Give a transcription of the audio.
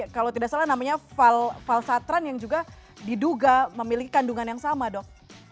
kalau tidak salah namanya falsatran yang juga diduga memiliki kandungan yang sama dok